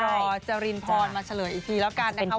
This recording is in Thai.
จรินพรมาเฉลยอีกทีแล้วกันนะคะ